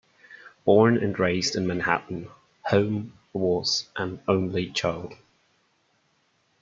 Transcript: Born and raised in Manhattan, Holm was an only child.